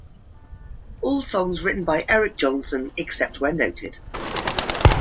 All songs written by Eric Johnson, except where noted.